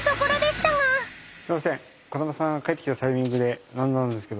すいません。